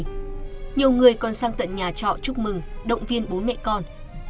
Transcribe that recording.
nhiều người còn sang tận nhà trọ chúc mừng động viên bốn mẹ con